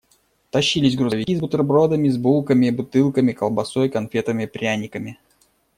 Тащились грузовики с бутербродами, с булками, бутылками, колбасой, конфетами, пряниками.